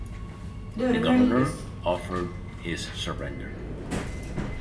The governor offered his surrender.